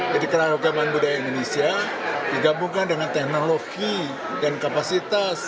jadi keragaman budaya indonesia digabungkan dengan teknologi dan kapasitas